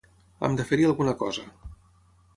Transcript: Hem de fer-hi alguna cosa.